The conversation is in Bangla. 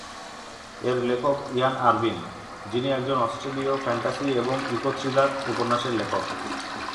এর লেখক ইয়ান আরভিন, যিনি একজন অস্ট্রেলীয় ফ্যান্টাসি এবং ইকো-থ্রিলার উপন্যাসের লেখক।